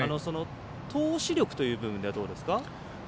投手力という部分ではどうですか。